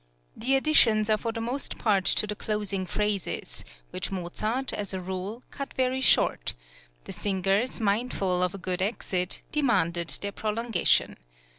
The additions are for the most part to the closing phrases, which Mozart, as a rule, cut very short; the singers, mindful of a good exit, demanded their prolongation.